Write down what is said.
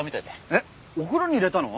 えっお風呂に入れたの？